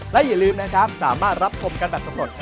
และอย่าลืมนะครับสามารถรับชมกันแบบสำรวจ